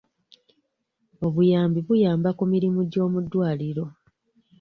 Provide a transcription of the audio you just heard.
Obuyambi buyamba ku mirimu gy'omuddwaliro.